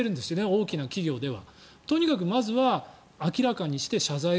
大きな企業では。